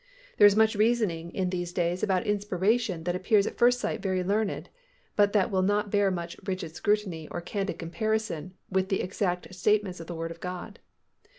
There is much reasoning in these days about inspiration that appears at first sight very learned, but that will not bear much rigid scrutiny or candid comparison with the exact statements of the Word of God.